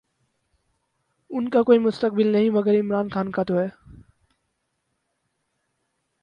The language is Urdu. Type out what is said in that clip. ان کا کوئی مستقبل نہیں، مگر عمران خان کا تو ہے۔